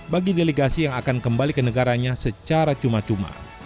bagi delegasi yang akan kembali ke negaranya secara cuma cuma